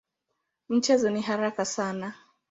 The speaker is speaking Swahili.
Mchezo ni haraka sana.